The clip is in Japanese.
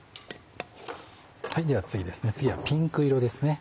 では次はピンク色ですね。